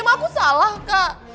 emang aku salah kak